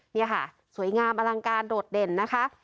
นี่ค่ะสวยงามอลังการโดดเด่นนะคะ